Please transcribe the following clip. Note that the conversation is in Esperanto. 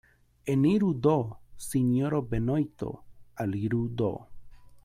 Eniru do, sinjoro Benojto, aliru do.